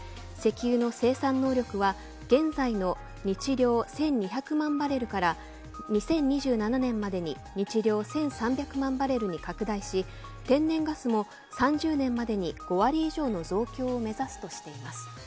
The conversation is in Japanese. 石油の生産能力は現在の日量１２００万バレルから２０２７年までに日量１３００万バレルに拡大し天然ガスも３０年までに５割以上の増強を目指すとしています。